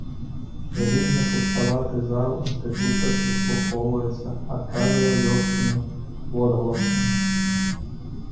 Вялізны пуставаты зал інстытута прыслухоўваецца, адказвае лёгкімі водгаласкамі.